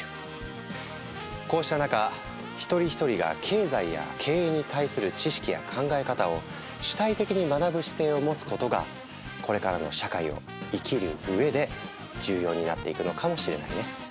こうした中一人一人が経済や経営に対する知識や考え方を主体的に学ぶ姿勢を持つことがこれからの社会を生きる上で重要になっていくのかもしれないね。